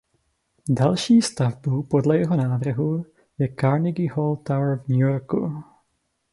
Další stavbou podle jeho návrhu je Carnegie Hall Tower v New Yorku.